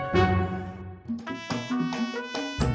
gak jadi bang